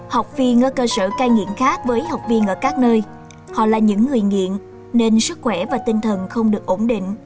học viên ở cơ sở cai nghiện khác với học viên ở các nơi họ là những người nghiện nên sức khỏe và tinh thần không được ổn định